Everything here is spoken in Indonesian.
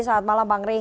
selamat malam bang rey